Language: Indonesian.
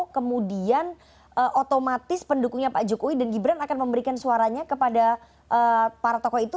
kemudian otomatis pendukungnya pak jokowi dan gibran akan memberikan suaranya kepada para tokoh itu